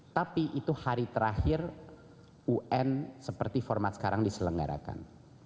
tapi itu hari terakhir un seperti format sekarang diselenggarakan